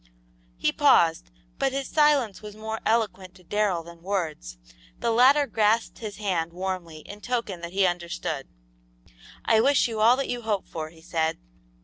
He paused, but his silence was more eloquent to Darrell than words; the latter grasped his hand warmly in token that he understood. "I wish you all that you hope for," he said.